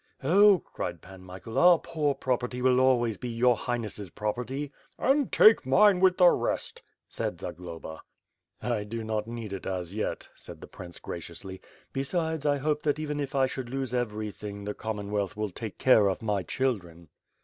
"Oh,'' cried Pan Michael, "our poor property will always be your Highness's property." "And take mine with the rest," said Zagloba. "I do not need it, as yet," said the prince graciously, "be sides, I hope that even if I should lose everything the Com monwealth will take care of my children."